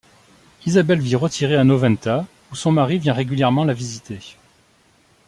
Isabelle vit retirée à Noventa, où son mari vient régulièrement la visiter.